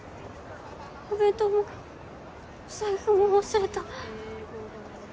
お弁当も財布も忘れた